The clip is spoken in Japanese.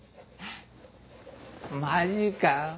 マジか。